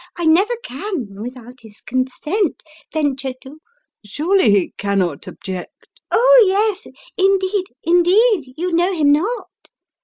I never can, without his consent, venture to " Surely he cannot object "" Oh, yes. Indeed, indeed, you know him not